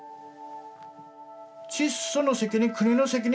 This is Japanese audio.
チッソの責任国の責任